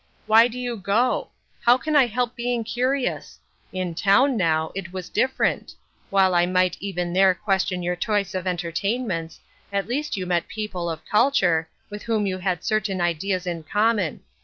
Why do you go ? How can I help being curious ? In town, now, it was different. While I might even there question your choice of entertainments, at least you met people of culture, with whom you had certain ideas in common.